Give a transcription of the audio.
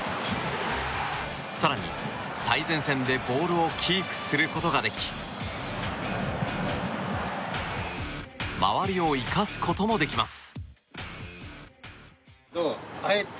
更に、最前線でボールをキープすることができ周りを生かすこともできます。